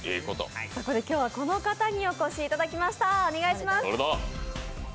そこで、今日はこの方にお越しいただきました。